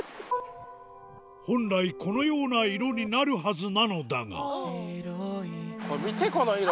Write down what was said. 本来このような色になるはずなのだが見てこの色。